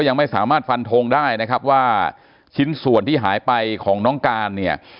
ยังไม่สามารถฟันทงได้นะครับว่าชิ้นส่วนที่หายไปของน้องการเนี่ย